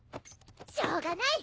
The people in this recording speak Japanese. しょうがない。